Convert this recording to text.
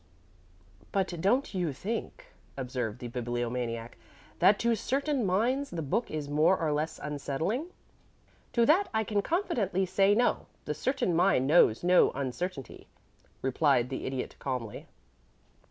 "But don't you think," observed the Bibliomaniac, "that to certain minds the book is more or less unsettling?" "To that I can confidently say no. The certain mind knows no uncertainty," replied the Idiot, calmly.